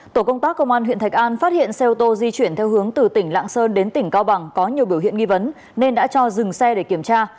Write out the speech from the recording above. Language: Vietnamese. tổ công tác công an huyện thạch an phát hiện xe ô tô di chuyển theo hướng từ tỉnh lạng sơn đến tỉnh cao bằng có nhiều biểu hiện nghi vấn nên đã cho dừng xe để kiểm tra